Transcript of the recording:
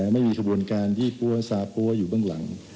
ไม่มีขบวนการยี่ปั้วซาปั้วอยู่เบื้องหลัง